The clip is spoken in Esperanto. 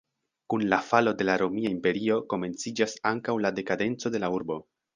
Kun la falo de la Romia Imperio, komenciĝas ankaŭ la dekadenco de la urbo.